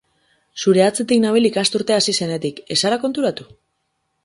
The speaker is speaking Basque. Zure atzetik nabil ikasturtea hasi zenetik, ez zara konturatu?